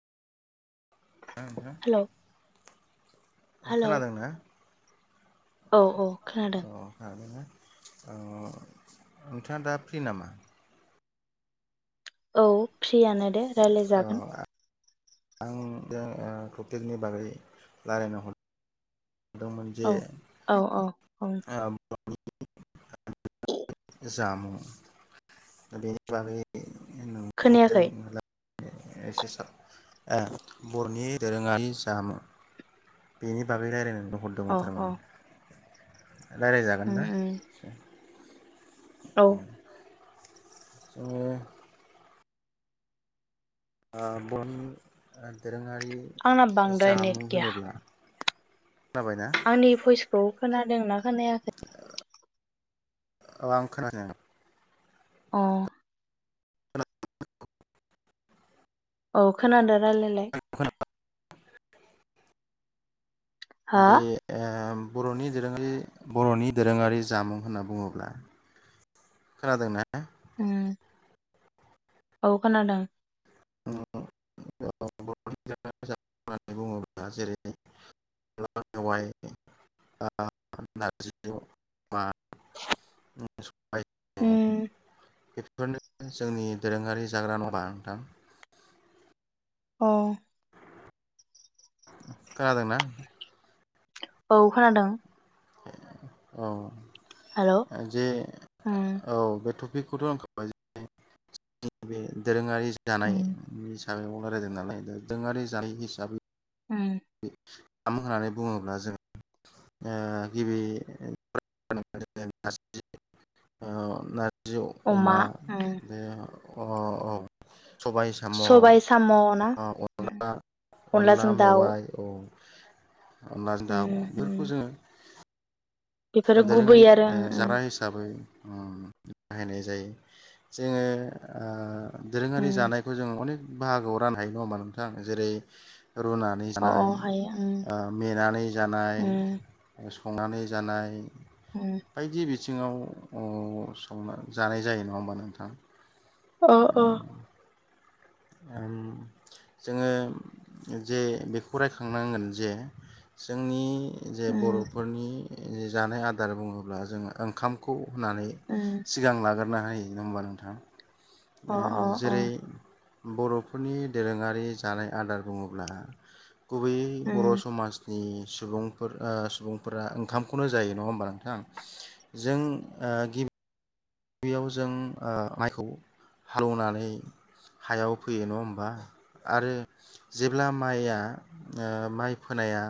Hello [unintelligible] hello खोनादोंना औ औ खोनादों अ नोंथाङा दा फ्रि नामा औ फ्रियानो दे रायलाय औ जागोन आं दा टपिकनि बागै रायलायनो हरदों दोंमोन जे औ औ औ औ आ [inaudible] [inaudible] जामुं दा बेनि बागै खोनायाखै ओ बर'नि दोरोङारि जामु बेनि बागै रायलायनो दं औ हरदोंमोन औ थारमाने रायलायजागोन उम ना उम औ औ बन [unintelligible] दोरोङारि आंना बांद्राय नेट जामुं गैया होनोब्ला खोनाबायना आंनि भइसखौ खोना दोंना खोनायाखै औ आं खोनादों नोंथां अ खोनादों औ खोनादों रायलायलाय हा दि आ बर'नि दोरोङारि बर'नि दोरोङारि जामुं होनना बुङोब्ला खोनादोंना उम औ खोनादों [unintelligible] [inaudible] [unintelligible] उम। बेफोरनो जोंनि दोरोङारि जाग्रा न'ङा होनबा नोंथां। अ। खोनादोंना? औ खोनादों। औ। हेलौ जे उम औ बे [unintelligible] बे दोरोङारि उम जानाय हिसाबै रायलायदों नालाय दा दोङारि जानाय हिसाबै उम [inaudible] होननानै बुङोब्ला जों गिबि [unintelligible] नारजि अमा बे अ औ। सबाय साम' सबाय साम' ना उम अनला अनला अनलाजों दाउ मेवाइ [inaudible] अनला जों उम दाउ उम बेफोरखौ जोङो। बेफोरो गुबै दोरोङारि आरो उम उम जाग्रा हिसाबै बाहायनाय जायो जोङो दोरोङारि उम जानायखौ जोङो अने बाहागोआव राननो हायो नङा होमबा नोंथां जेरै रुनानै अ अ जानाय हायो उम मेनानै जानाय उम संनानै जानाय उम बायदि बिथिं बिथिङाव संना जानाय जायो नङा होमबा नोंथां। अ अ। जोङो जे बेखौ रायखांनांगोन जे जोंनि जे उम बर'फोरनि जानाय आदार बुङोब्ला जों ओंखामखौ होननानै उम सिगां लागोन खुरना होयो नङा होमबा नोंथाङा। अ अ जेरै बर'फोरनि दोरोङारि जानाय आदार बुङोब्ला गुबैयै उम बर' समाजनि सुबुंफोर सुबुंफोरा ओंखामखौनो जायो नङा होमबा नोंथां जों गिबि गिबियाव जों माइखौ हालौवनानै हायाव फोयो नङा होमबा आरो जेब्ला माइया माइ फोनाया